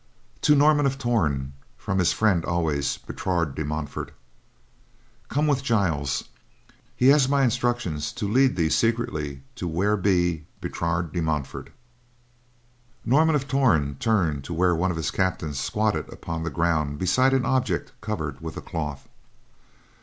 To Norman of Torn, from his friend always, Bertrade de Montfort. Come with Giles. He has my instructions to lead thee secretly to where I be. Bertrade de Montfort. Norman of Torn turned to where one of his captains squatted upon the ground beside an object covered with a cloth.